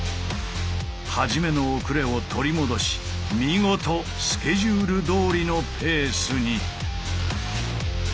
はじめの遅れを取り戻し見事スケジュールどおりのペースに！